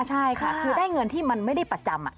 ใช่ค่ะคือได้เงินที่มันไม่ได้ประจำ